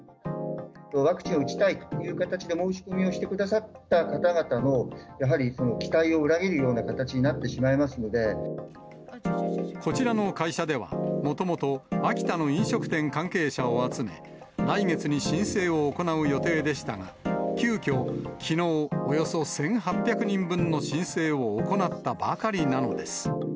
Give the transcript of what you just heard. ワクチンを打ちたいという形で、申し込みをしてくださった方々の、やはり期待を裏切るようなこちらの会社では、もともと、秋田の飲食店関係者を集め、来月に申請を行う予定でしたが、急きょ、きのう、およそ１８００人分の申請を行ったばかりなのです。